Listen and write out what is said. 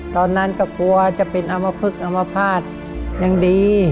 ตอนนั้นก็กลัวจะเป็นอมพลึกอมภาษณ์ยังดี